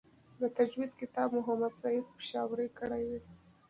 د تجوید کتابت محمد سعید پشاوری کړی دی.